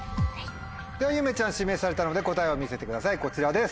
ではゆめちゃん指名されたので答えを見せてくださいこちらです。